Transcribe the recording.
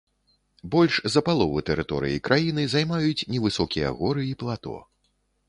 Больш за палову тэрыторыі краіны займаюць невысокія горы і плато.